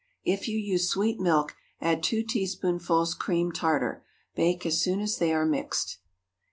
If you use sweet milk, add two teaspoonfuls cream tartar. Bake as soon as they are mixed.